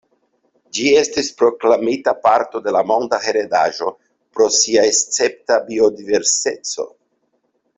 Ĝi estis proklamita parto de la monda heredaĵo pro sia escepta biodiverseco.